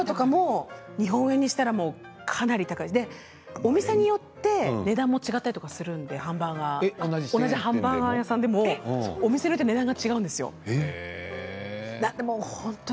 日本円にしたらかなり高いお店によって値段も違ったりするので同じハンバーガー屋さんでもお店によって値段が違うんですよ。